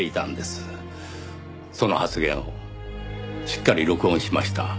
その発言をしっかり録音しました。